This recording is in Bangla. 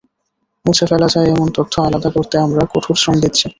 মুছে ফেলা যায় এমন তথ্য আলাদা করতে আমরা কঠোর শ্রম দিচ্ছি।